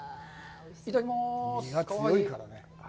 いただきます。